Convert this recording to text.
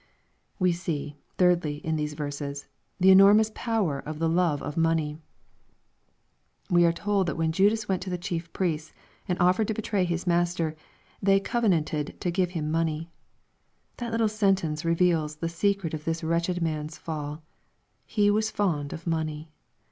We see, thirdly, in these verses, the enormous power oj ike love of money. We are told that when Judas went to the chief priests and oflfered to betray his Master, they " covenanted to give him money." That little sentence reveals the secret of this wretched man's fall. He was fond of money.